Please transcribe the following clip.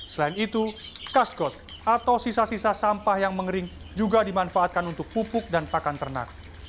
selain itu kaskot atau sisa sisa sampah yang mengering juga dimanfaatkan untuk pupuk dan pakan ternak